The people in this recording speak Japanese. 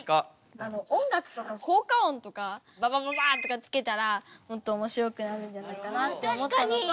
音楽とか効果音とか「ババババッ」とかつけたらもっとおもしろくなるんじゃないかなって思ったのと。